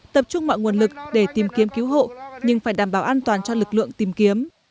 tập trung mọi nguồn lực để tìm kiếm cứu hộ nhưng phải đảm bảo an toàn cho lực lượng tìm kiếm